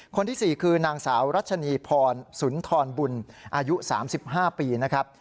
คนที่๔คือนางสาวรัชนีพรสุนทรบุญอายุ๓๕ปีนะครับ